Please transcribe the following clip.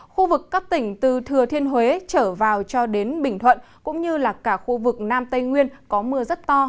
khu vực các tỉnh từ thừa thiên huế trở vào cho đến bình thuận cũng như là cả khu vực nam tây nguyên có mưa rất to